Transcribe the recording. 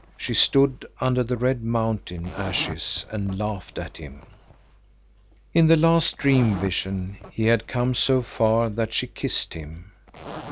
She stood under the red mountain ashes and laughed at him. In the last dream vision he had come so far that she kissed him.